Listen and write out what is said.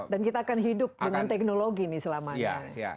dan kita akan hidup dengan teknologi selamanya